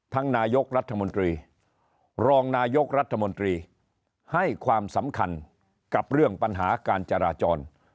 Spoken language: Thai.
นายกรัฐมนตรีรองนายกรัฐมนตรีให้ความสำคัญกับเรื่องปัญหาการจราจร